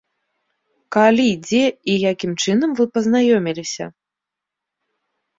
Калі, дзе і якім чынам вы пазнаёміліся?